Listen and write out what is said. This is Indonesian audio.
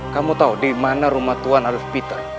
kamu tahu di mana rumah tuan adolf peter